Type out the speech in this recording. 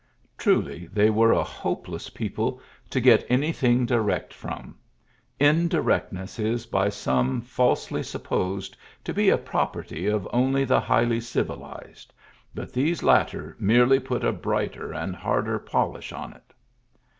Truly they were a hopeless people to get any thing direct from. Indirectness is by some falsely supposed to be a property of only the highly civilized; but these latter merely put a brighter and harder polish on it.